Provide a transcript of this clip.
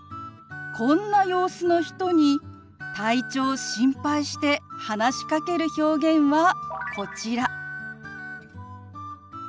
こんな様子の人に体調を心配して話しかける表現はこちら。